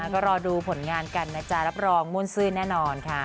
ก็รอดูผลงานกันนะจ๊ะรับรองมุ่นซื่นแน่นอนค่ะ